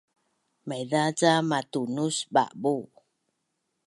maiza ca matunus ba’bu’